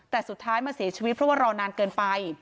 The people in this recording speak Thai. แต่สุดท้ายมาเสียชีวิตเพราะว่ารอนานเกินไป